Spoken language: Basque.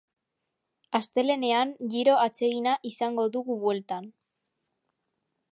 Astelehenean giro atsegina izango dugu bueltan.